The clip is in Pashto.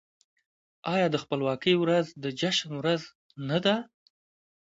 آیا د خپلواکۍ ورځ د جشن ورځ نه ده؟